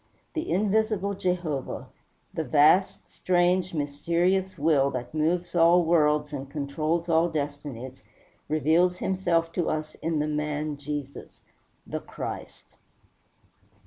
The Invisible Jehovah, the vast, strange, mysterious Will that moves all worlds and controls all destinies, reveals himself to us in the Man Jesus the Christ.